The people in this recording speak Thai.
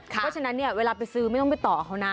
เพราะฉะนั้นเนี่ยเวลาไปซื้อไม่ต้องไปต่อเขานะ